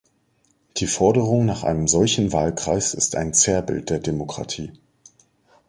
Die Forderung nach einem solchen Wahlkreis ist ein Zerrbild der Demokratie.